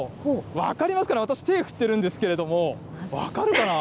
分かりますかね、私、手振ってるんですけど、分かるかな。